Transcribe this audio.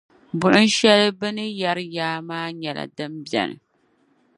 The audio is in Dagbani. Buɣim shɛli bɛni yari yaa maa nyɛla din beni.